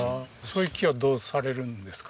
そういう木はどうされるんですか？